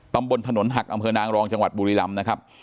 ตำบลถนนหักอำเภอนางรองจังหวัดบุรีรำนะครับ